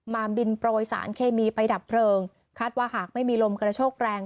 บินโปรยสารเคมีไปดับเพลิงคาดว่าหากไม่มีลมกระโชกแรง